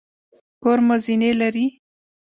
کور مو زینې لري؟